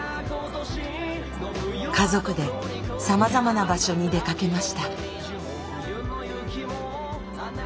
家族でさまざまな場所に出かけました。